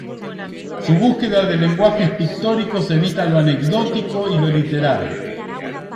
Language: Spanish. Su búsqueda de lenguajes pictóricos evita lo anecdótico y lo literal.